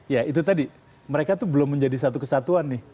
ya itu tadi mereka tuh belum menjadi satu kesatuan nih